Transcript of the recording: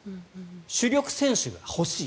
主力選手が欲しい。